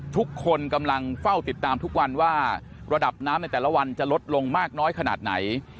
ทุกคนกำลังเฝ้าติดตามทุกวันว่าระดับน้ำในแต่ละวันจะลดลงมากน้อยขนาดไหน